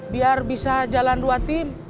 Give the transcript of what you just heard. biar bisa jalan dua tim